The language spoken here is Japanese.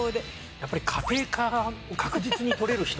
やっぱり家庭科を確実に取れる人がいこうと。